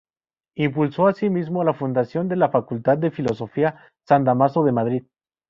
Impulsó, así mismo, la fundación de la Facultad de Filosofía San Dámaso de Madrid.